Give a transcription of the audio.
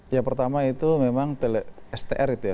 ya pertama itu memang str itu ya